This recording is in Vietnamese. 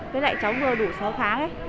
với lại cháu vừa đủ sáu tháng